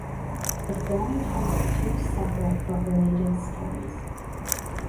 The film tells two separate but related stories.